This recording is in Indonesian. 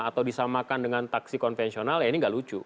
atau disamakan dengan taksi konvensional ya ini nggak lucu